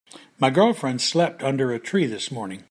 My girlfriend slept under a tree this morning.